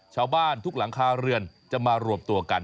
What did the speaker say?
ชาวบ้านทุกหลังคาเรือนจะมารวมตัวกัน